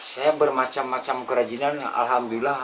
saya bermacam macam kerajinan alhamdulillah